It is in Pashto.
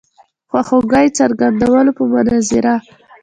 خواخوږی څرګندولو په منظور.